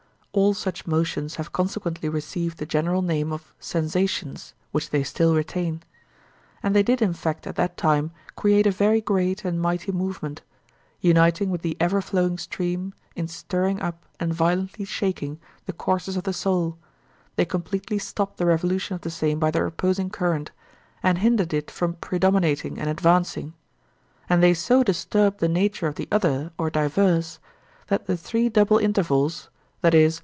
All such motions have consequently received the general name of 'sensations,' which they still retain. And they did in fact at that time create a very great and mighty movement; uniting with the ever flowing stream in stirring up and violently shaking the courses of the soul, they completely stopped the revolution of the same by their opposing current, and hindered it from predominating and advancing; and they so disturbed the nature of the other or diverse, that the three double intervals (i.e.